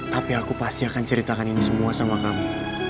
tapi aku pasti akan ceritakan ini semua sama kamu